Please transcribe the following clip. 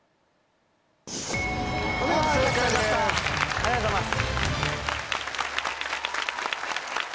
ありがとうございます。